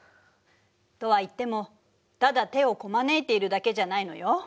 とはいってもただ手をこまねいているだけじゃないのよ。